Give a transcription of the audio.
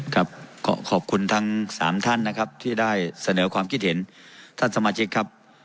ขอขอบคุณทั้งสามท่านนะครับที่ได้เสนอความคิดเห็นท่านสมาชิกครับ